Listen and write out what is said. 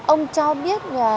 ông cho biết